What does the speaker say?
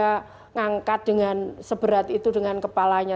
atau nangkat dengan seberat itu dengan kepalanya